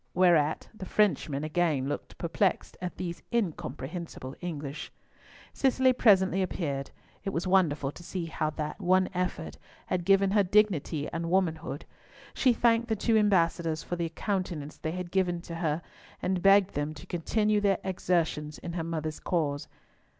Whereat the Frenchman again looked perplexed at these incomprehensible English. Cicely presently appeared. It was wonderful to see how that one effort had given her dignity and womanhood. She thanked the two ambassadors for the countenance they had given to her, and begged them to continue their exertions in her mother's cause.